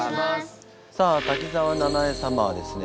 さあ滝沢ななえ様はですね